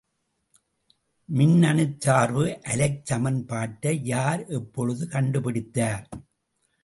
மின்னணுச் சார்பு அலைச் சமன்பாட்டை யார், எப்பொழுது கண்டுபிடித்தார்?